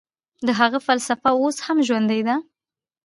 د هغه فلسفه اوس هم ژوندۍ ده.